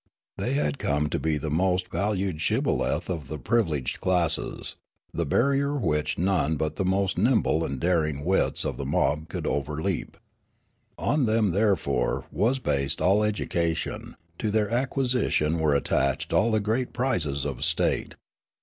They had come to be the most valued shibboleth of the privileged classes, the barrier which none but the most nimble and daring wits of the mob could overleap. On them, therefore, was based all education ; to their acquisition were attached all the great prizes of state.